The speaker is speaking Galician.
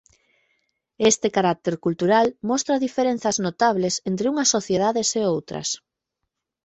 Este carácter cultural mostra diferenzas notables entre unhas sociedades e outras.